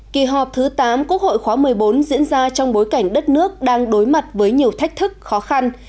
kỳ họp thứ tám quốc hội khóa một mươi bốn diễn ra trong bối cảnh đất nước đang đối mặt với nhiều thách thức khó khăn